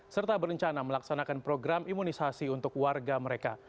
serta berencana melaksanakan program imunisasi untuk warga mereka